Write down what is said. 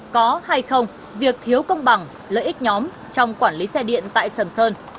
có hay không việc thiếu công bằng lợi ích nhóm trong quản lý xe điện tại sầm sơn